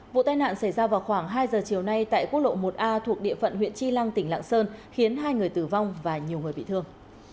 vụ tai nạn xảy ra vào khoảng hai giờ chiều nay tại quốc lộ một a thuộc địa phận huyện chi lăng tỉnh lạng sơn khiến hai người tử vong và nhiều người bị thương